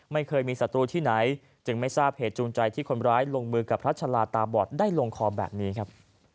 ไม่เคยมีศัตรูที่ไหนจึงไม่ทราบเหตุจูงใจที่คนร้ายลงมือกับพระชะลาตาบอดได้ลงคอแบบนี้ครับ